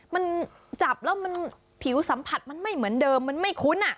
มันจับแล้วมันผิวสัมผัสมันไม่เหมือนเดิมมันไม่คุ้น